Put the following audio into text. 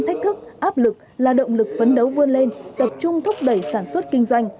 thách thức áp lực là động lực phấn đấu vươn lên tập trung thúc đẩy sản xuất kinh doanh